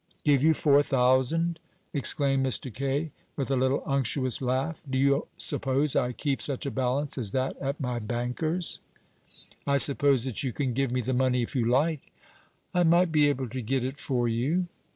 "Give you four thousand!" exclaimed Mr. Kaye, with a little unctuous laugh. "Do you suppose I keep such a balance as that at my banker's?" "I suppose that you can give me the money if you like." "I might be able to get it for you."